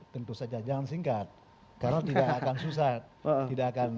tentu saja jangan singkat karena tidak akan susah